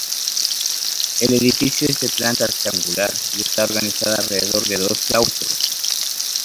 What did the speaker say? El edificio es de planta rectangular y está organizado alrededor de dos claustros.